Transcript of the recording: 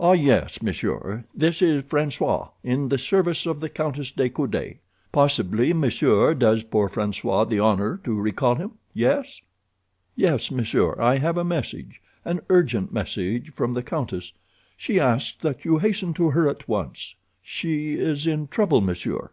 "Ah, yes, monsieur, this is François—in the service of the Countess de Coude. Possibly monsieur does poor François the honor to recall him—yes? "Yes, monsieur. I have a message, an urgent message from the countess. She asks that you hasten to her at once—she is in trouble, monsieur.